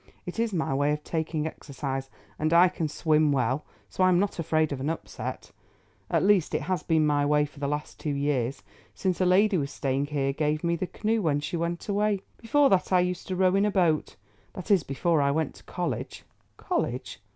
It is my way of taking exercise, and I can swim well, so I am not afraid of an upset. At least it has been my way for the last two years since a lady who was staying here gave me the canoe when she went away. Before that I used to row in a boat—that is, before I went to college." "College?